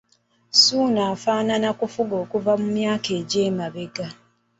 Ssuuna afaanana kufuga kuva mu myaka egy'emabega.